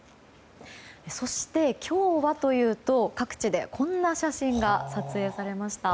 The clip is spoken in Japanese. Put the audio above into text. そして、今日はというと各地でこんな写真が撮影されました。